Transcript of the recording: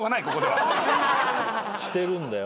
してるんだよ。